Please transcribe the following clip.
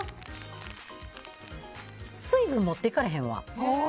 水分持っていかれへんわ。